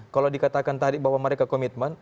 kalau dikatakan tadi bahwa mereka komitmen